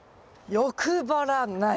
「欲張らない」。